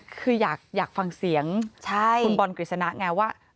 คืออยากฟังเสียงคุณบอลกฤษณะไงว่า